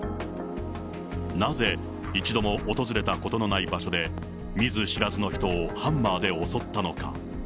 なぜ、一度も訪れたことのない場所で、見ず知らずの人をハンマーで襲ったのか。